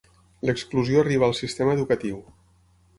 L'exclusió arriba al sistema educatiu.